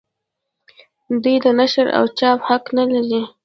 دوی د نشر او چاپ حق نه لري.